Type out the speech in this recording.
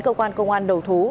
cơ quan công an đầu thú